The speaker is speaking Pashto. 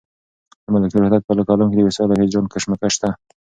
د ملکیار هوتک په کلام کې د وصال او هجران کشمکش شته.